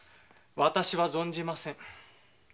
私は存じません。